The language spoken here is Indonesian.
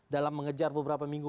dalam mengejar beberapa minggu